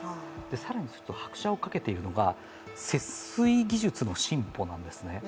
更に拍車をかけているのが、節水技術の進歩なんですね。